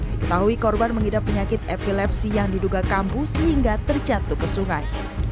diketahui korban mengidap penyakit epilepsi yang diduga kambuh sehingga terjatuh ke sungai